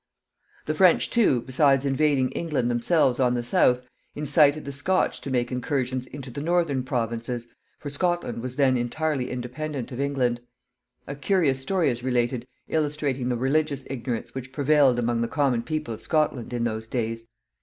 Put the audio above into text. The French, too, besides invading England themselves on the south, incited the Scotch to make incursions into the northern provinces, for Scotland was then entirely independent of England. A curious story is related illustrating the religious ignorance which prevailed among the common people of Scotland in those days.